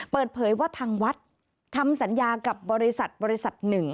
เปิดเผยว่าทางวัดทำสัญญากับบริษัทบริษัทหนึ่ง